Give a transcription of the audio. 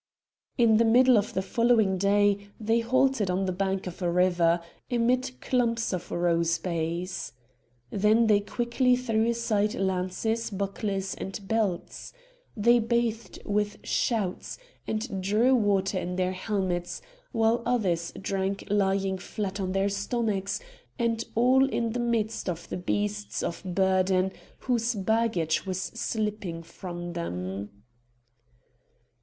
In the middle of the following day they halted on the bank of a river, amid clumps of rose bays. Then they quickly threw aside lances, bucklers and belts. They bathed with shouts, and drew water in their helmets, while others drank lying flat on their stomachs, and all in the midst of the beasts of burden whose baggage was slipping from them.